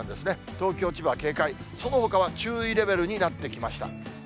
東京、千葉は警戒、そのほかは注意レベルになってきました。